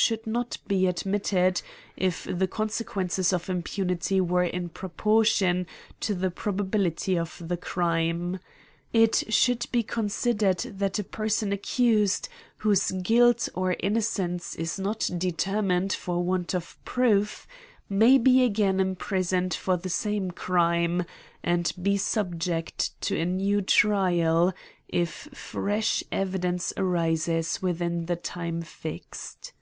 H5 should not be admitted, if the consequences of impunity were in proportion to the probability of the crime. It should be considered, that a person accused, whose guilt or innocence is not determin ed for want of proofs, may be again imprisoned for the same crime, and be subject to a new trial, if fresh evideYice arises within the time fixed.